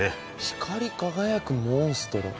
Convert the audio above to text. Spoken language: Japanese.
光り輝くモンストロ。